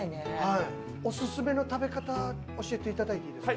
オススメの食べ方教えていただいていいですか？